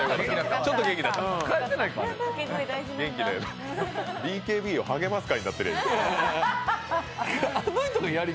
ちょっと元気になった。